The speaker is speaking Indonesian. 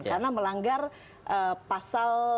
karena melanggar pasal